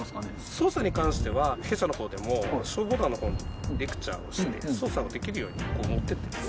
操作に関しては弊社のほうでも消防団のほうにレクチャーをして、操作はできるように持ってってます。